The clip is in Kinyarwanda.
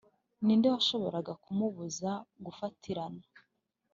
ninde washoboraga kumubuza gufatirana